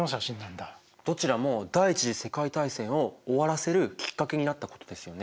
どちらも第一次世界大戦を終わらせるきっかけになったことですよね。